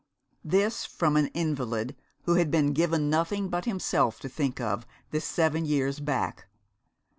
This from an invalid who had been given nothing but himself to think of this seven years back!